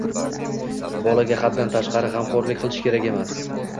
Bolaga haddan tashqari g‘amxo‘rlik qilish kerak emas.